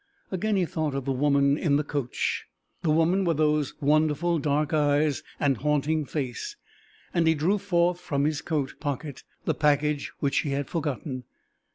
Again he thought of the woman in the coach the woman with those wonderful, dark eyes and haunting face and he drew forth from his coat pocket the package which she had forgotten.